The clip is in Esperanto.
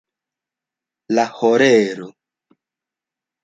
La horero.